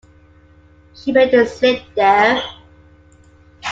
She made a slip there.